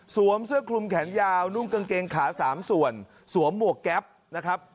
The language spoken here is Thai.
เสื้อคลุมแขนยาวนุ่งกางเกงขา๓ส่วนสวมหมวกแก๊ปนะครับ